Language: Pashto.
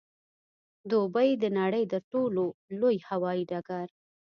دوبۍ د نړۍ د تر ټولو لوی هوايي ډګر